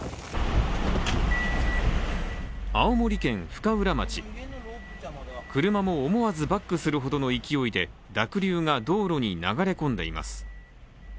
青森県深浦町車も思わずバックするほどの勢いで濁流が道路に流れ込んでいます。